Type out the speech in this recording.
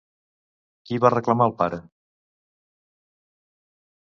Qui va reclamar al pare?